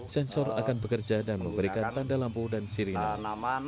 sensor akan bekerja dan memberikan tanda lampu dan sirine